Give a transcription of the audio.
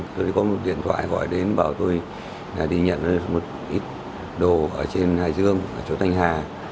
rồi có một điện thoại gọi đến bảo tôi đi nhận một ít đồ ở trên hải dương ở chỗ thanh hà